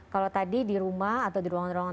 kalau tadi di rumah atau di ruangan ruangan